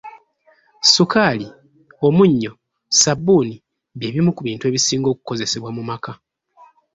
Sukaali, omunnyo, sabbuuni bye bimu ku bintu ebisinga okukozesebwa mu maka.